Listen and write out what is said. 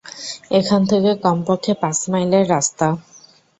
এখান থেকে কমপক্ষে পাঁচ মাইলের রাস্তা!